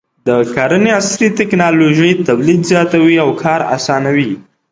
د کرنې عصري ټکنالوژي تولید زیاتوي او کار اسانوي.